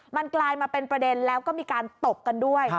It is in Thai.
มันกลายมาเป็นประเด็นแล้วก็มีการตบกันด้วย